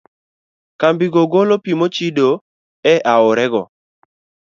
Kambigo golo pi mochido e aorego.